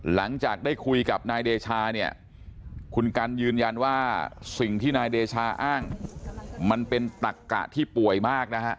หลังจากได้คุยกับนายเดชาเนี่ยคุณกันยืนยันว่าสิ่งที่นายเดชาอ้างมันเป็นตักกะที่ป่วยมากนะฮะ